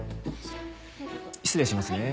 失礼しますね。